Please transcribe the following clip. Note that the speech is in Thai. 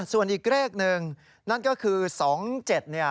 ส่วนอีกเลขหนึ่งนั่นก็คือ๒๗เนี่ย